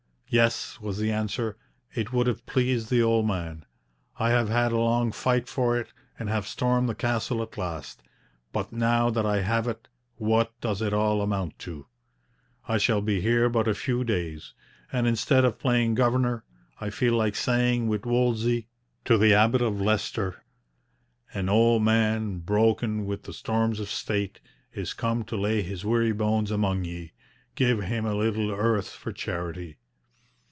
'Yes,' was the answer, 'it would have pleased the old man. I have had a long fight for it, and have stormed the castle at last. But now that I have it, what does it all amount to? I shall be here but a few days; and instead of playing governor, I feel like saying with Wolsey, to the Abbot of Leicester: An old man, broken with the storms of State, Is come to lay his weary bones among ye; Give him a little earth for charity.'